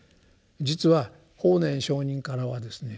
実は法然上人からはですね